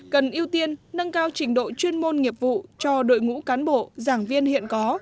cần ưu tiên nâng cao trình độ chuyên môn nghiệp vụ cho đội ngũ cán bộ giảng viên hiện có